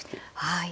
はい。